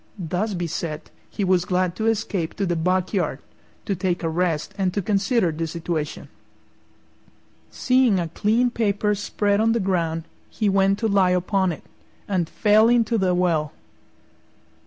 Thus beset, he was glad to escape to the back yard to take a rest and to consider the situation. Seeing a clean paper spread on the ground, he went to lie upon it, and fell into the well.